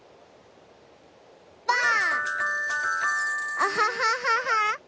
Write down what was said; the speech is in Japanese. アハハハハ。